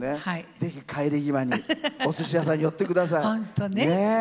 ぜひ、帰り際におすしやさんに寄ってください。